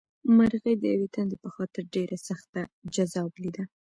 مرغۍ د یوې تندې په خاطر ډېره سخته جزا ولیده.